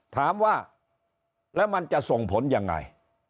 ถามว่าแล้วมันจะส่งผลยังไง